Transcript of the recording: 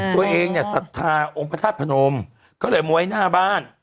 ตัวเองเนี่ยศรัทธาองค์พระธาตุพนมก็เลยม้วยหน้าบ้าน